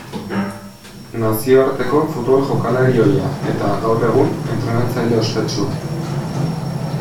Nazioarteko futbol jokalari ohia, eta, gaur egun, entrenatzaile ospetsua.